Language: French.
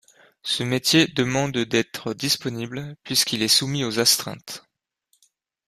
Ce métier demande d'être disponible puisqu'il est soumis aux astreintes.